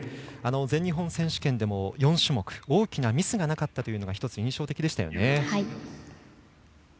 全日本選手権でも４種目大きなミスがなかったというのが１つ印象的でしたよね。